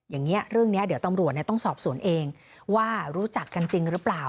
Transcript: อย่างนี้เรื่องนี้เดี๋ยวตำรวจต้องสอบสวนเองว่ารู้จักกันจริงหรือเปล่า